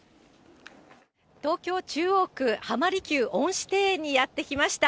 東京・中央区、浜離宮恩賜庭園にやって来ました。